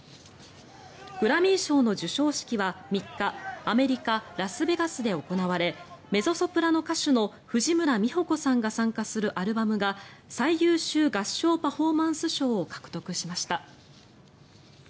グラミー賞の授賞式は３日アメリカ・ラスベガスで行われメゾソプラノ歌手の藤村実穂子さんが参加するアルバムが最優秀合唱パフォーマンス賞を獲得しました。